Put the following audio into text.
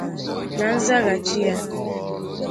Na nzaghachi ya